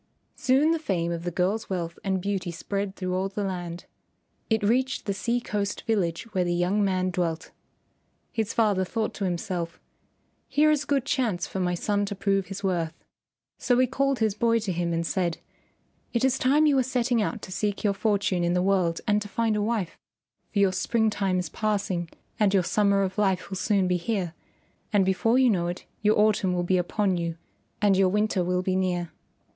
Soon the fame of the girl's wealth and beauty spread through all the land. It reached the sea coast village where the young man dwelt. His father thought to himself, "Here is a good chance for my son to prove his worth." So he called his boy to him and said, "It is time you were setting out to seek your fortune in the world and to find a wife, for your spring time is passing and your summer of life will soon be here, and before you know it your autumn will be upon you and your winter will be near.